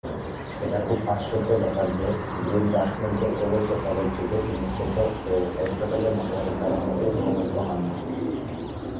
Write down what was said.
এটা খুব আশ্চর্যের ব্যাপার যে, গ্রিক দার্শনিকদের প্রবল প্রতাপের যুগে, তিনি প্লেটো ও এরিস্টটলের মতবাদের দ্বারা মোটেই প্রভাবিত হননি।